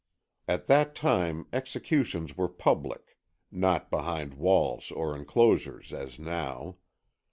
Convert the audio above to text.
At that time executions were public, not behind walls or enclosures as now.